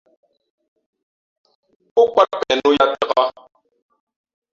Pó kwāt peʼ nō yāā tāk.